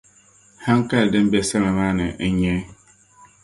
Hankali din bɛ Salima maa ni n nyɛ;